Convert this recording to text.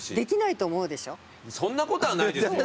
そんなことはないですよ！